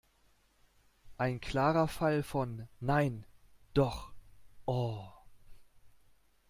Ein klarer Fall von: "Nein! Doch! Oh!"